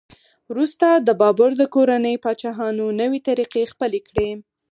وروسته د بابر د کورنۍ پاچاهانو نوې طریقې خپلې کړې.